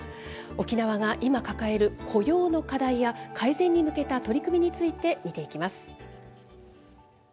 沖縄が今抱える雇用の課題や改善に向けた取り組みについて、見ていきます。